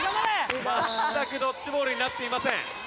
全くドッジボールになっていません。